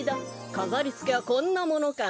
かざりつけはこんなものかな。